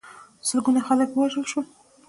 سلګونه خلک ووژل شول.